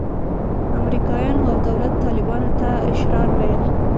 امریکایانو او دولت طالبانو ته اشرار ویل.